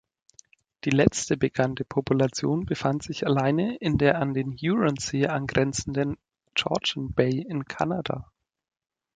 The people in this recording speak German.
Die letzte bekannte Population befand sich alleine in der an den Huronsee angrenzenden Georgian Bay in Kanada.